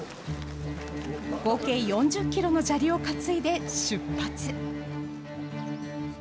合計４０ｋｇの砂利を担いで出発。